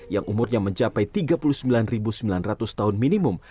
yang umurnya mencapai tiga puluh sembilan sembilan ratus tahun minimum